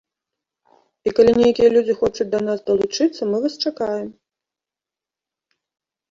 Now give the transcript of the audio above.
І калі нейкія людзі хочуць да нас далучыцца, мы вас чакаем!